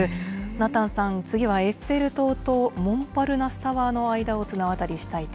ナタンさん、次はエッフェル塔とモンパルナス・タワーの間を綱渡りしたいと。